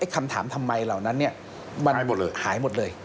คำถามทำไมเหล่านั้นมันหายหมดเลย